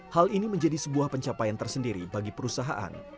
hal ini menjadi sebuah pencapaian tersendiri bagi perusahaan